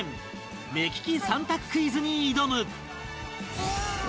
目利き３択クイズに挑む